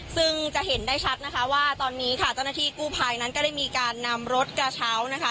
ซึ่งจะเห็นได้ชัดนะคะว่าตอนนี้ค่ะเจ้าหน้าที่กู้ภัยนั้นก็ได้มีการนำรถกระเช้านะคะ